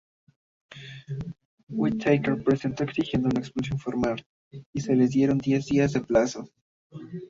Whitaker protestó exigiendo una expulsión formal, y se le dieron diez días de plazo.